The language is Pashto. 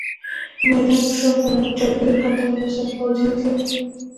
د میدان پر شاوخوا راچاپېره کټارو سره پوځیان زیات وو.